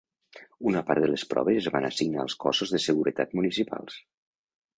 Una part de les proves es van assignar als cossos de seguretat municipals.